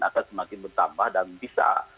akan semakin bertambah dan bisa